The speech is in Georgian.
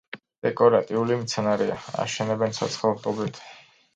დეკორატიული მცენარეა, აშენებენ ცოცხალ ღობედ.